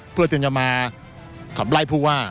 เพื่อที่จะมาขับไล่ผู้ว่า